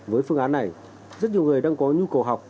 với phương án này rất nhiều người đang có nhu cầu học